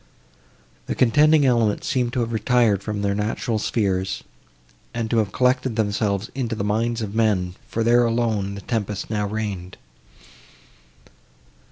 The contending elements seemed to have retired from their natural spheres, and to have collected themselves into the minds of men, for there alone the tempest now reigned.